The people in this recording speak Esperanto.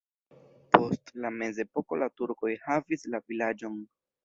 Post la mezepoko la turkoj havis la vilaĝon.